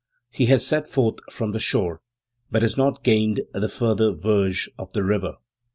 He has set forth from the shore, but has not gained the further verge of the river.